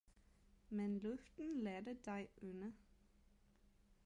men luften lader dig ånde!